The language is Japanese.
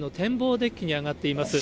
デッキに上がっています。